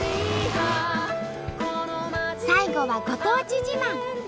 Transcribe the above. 最後はご当地自慢。